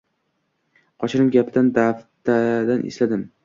Qochirim gapidan daf`atan esladim